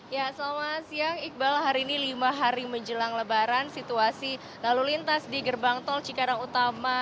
ya selamat siang iqbal hari ini lima hari menjelang lebaran situasi lalu lintas di gerbang tol cikarang utama